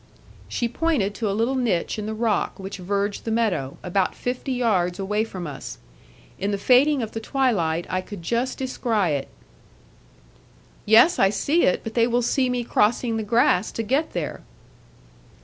She pointed to a little niche in the rock which verged the meadow, about fifty yards away from us. In the fading of the twilight I could just descry it. 'Yes, I see it; but they will see me crossing the grass to get there.'